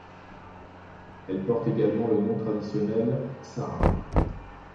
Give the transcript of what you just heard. Elle porte également le nom traditionnel Sarin.